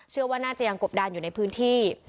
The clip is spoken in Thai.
เชื่อว่าน่าจะยังกบดานอยู่ในพื้นที่